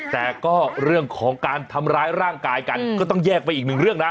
แต่ก็เรื่องของการทำร้ายร่างกายกันก็ต้องแยกไปอีกหนึ่งเรื่องนะ